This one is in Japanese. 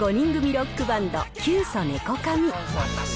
ロックバンド、キュウソネコカミ。